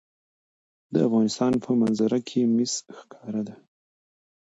د افغانستان په منظره کې مس ښکاره ده.